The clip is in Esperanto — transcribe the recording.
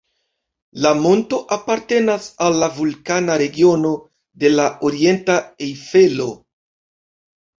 La monto apartenas al la vulkana regiono de la orienta Ejfelo.